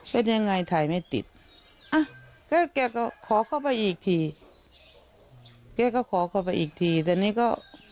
เป็นยังไงถ่ายไม่ติดอ่ะก็แกก็ขอเข้าไปอีกทีแกก็ขอเข้าไปอีกทีแต่นี่ก็